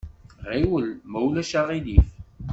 Ɣiwel, ma ulac aɣilif.